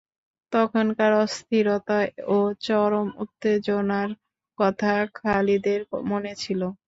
তখনকার অস্থিরতা ও চরম উত্তেজনার কথা খালিদের মনে ছিল।